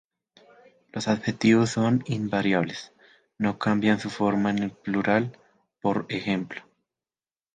Los adjetivos son invariables, no cambian su forma en el plural, por ejemplo.